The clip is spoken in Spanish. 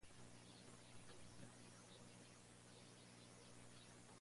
¿Quién echó libre al asno montés, y quién soltó sus ataduras?